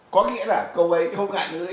có nghĩa là câu ấy không ngại nữa